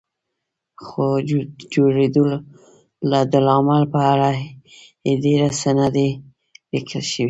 خو د جوړېدو د لامل په اړه یې ډېر څه نه دي لیکل شوي.